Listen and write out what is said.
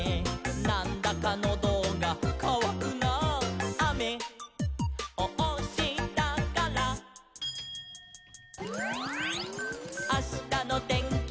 「『なんだかノドがかわくなあ』」「あめをおしたから」「あしたのてんきは」